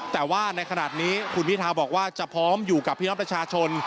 แต่ว่าในขณะนี้คุณพิทาบอกว่าจะพร้อมอยู่กับพี่น้องประชาชน